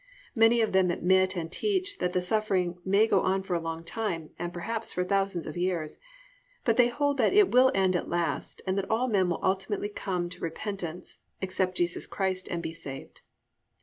Many of them admit and teach that the suffering may go on for a long time, and perhaps for thousands of years, but they hold that it will end at last and that all men will ultimately come to repentance, accept Jesus Christ, and be saved.